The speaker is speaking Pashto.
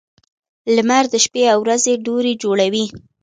• لمر د شپې او ورځې دورې جوړوي.